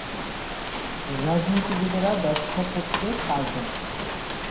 রাজনীতিবিদেরা ব্যবসা করতে পারবে না।